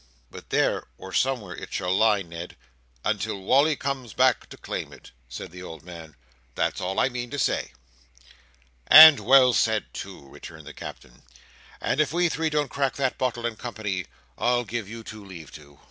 "But there or somewhere, it shall lie, Ned, until Wally comes back to claim it," said the old man. "That's all I meant to say." "And well said too," returned the Captain; "and if we three don't crack that bottle in company, I'll give you two leave to."